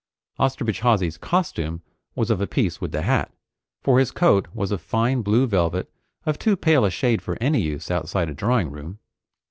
Osterbridge Hawsey's costume was of a piece with the hat, for his coat was of fine blue velvet of too pale a shade for any use outside a drawing room.